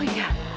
wuh rame ya